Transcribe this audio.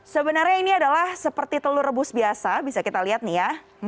sebenarnya ini adalah seperti telur rebus biasa bisa kita lihat nih ya